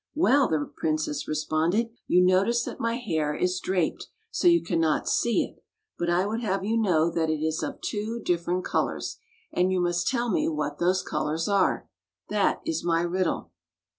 "Well," the princess responded, "you notice that my hair is draped so you cannot see it, but I would have you know that it is 179 Fairy Tale Bears of two different colors, and you must tell me what those colors are. That is my riddle."